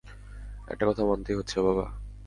একটা কথা মানতেই হচ্ছে, বাবা।